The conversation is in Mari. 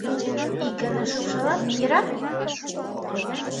— Ик гана шупшалат, йӧра?